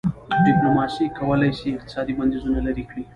ډيپلوماسي کولای سي اقتصادي بندیزونه لېرې کړي.